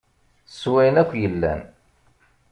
S wayen akk yellan.